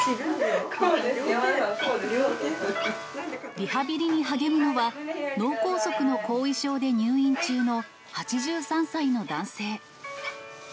リハビリに励むのは、脳梗塞の後遺症で入院中の８３歳の男性。